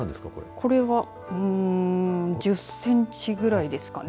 これは１０センチくらいですかね。